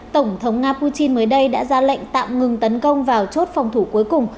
tổng thống nga putin mới đây đã ra lệnh tạm ngừng tấn công vào chốt phòng thủ cuối cùng